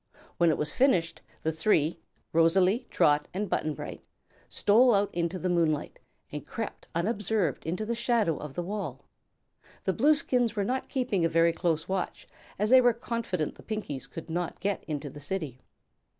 When it was finished, the three Rosalie, Trot and Button Bright stole out into the moonlight and crept unobserved into the shadow of the wall. The Blueskins were not keeping a very close watch, as they were confident the Pinkies could not get into the City.